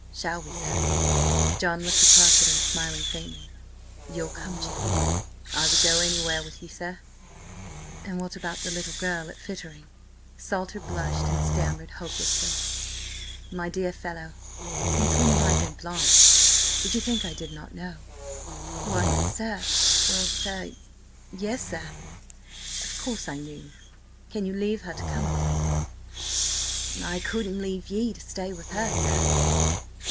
"Shall we, sir?" John looked across at him, smiling faintly. "You'll come, Jim?" "I would go anywhere with ye, sir." "And what about that little girl at Fittering?" Salter blushed and stammered hopelessly. "My dear fellow, since when have I been blind? Did you think I did not know?" "Why, sir–well, sir–yes, sir!" "Of course I knew! Can you leave her to come with me?" "I couldn't leave ye to stay with her, sir."